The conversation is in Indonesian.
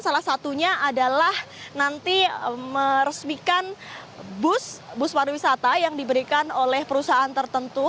salah satunya adalah nanti meresmikan bus pariwisata yang diberikan oleh perusahaan tertentu